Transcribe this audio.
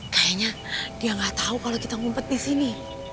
kayaknya dia gak tau kalo kita ngumpet di sini